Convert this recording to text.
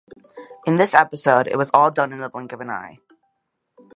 In this episode, it was all done in a blink of an eye.